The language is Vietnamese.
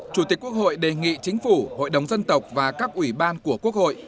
chủ tịch quốc hội đề nghị chính phủ hội đồng dân tộc và các ủy ban của quốc hội